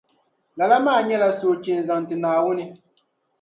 Lala maa nyɛla soochi n-zaŋ ti Naawuni.